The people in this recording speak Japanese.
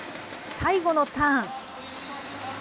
最後のターン。